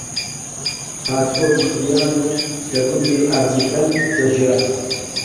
هاتبووە موکریان و لە گوندی ئاجیکەند دەژیا